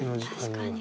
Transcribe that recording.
確かに。